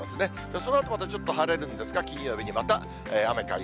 そのあとまたちょっと晴れるんですが、金曜日にまた雨か雪。